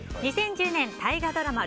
２０１０年大河ドラマ